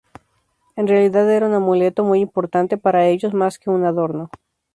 En realidad era un amuleto muy importante para ellos más que un adorno.